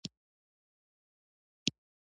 سپین دادا او په منګ برابر ور سره خوا کې کېناست.